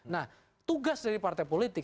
nah tugas dari partai politik